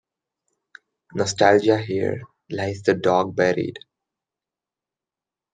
Nostalgia Here lies the dog buried.